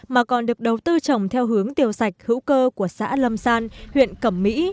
mà còn được đầu tư trồng theo hướng tiêu sạch hữu cơ của xã lâm san huyện cẩm mỹ